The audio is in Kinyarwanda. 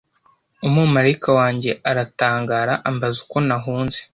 Umumarayika wanjye aratangara ambaza uko nahunze